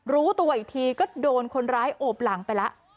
รู้ตัวอีกทีก็โดนคนร้ายโอบหลังไปแล้ว